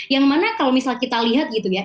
yang mana kalau misalnya kita lihat gitu ya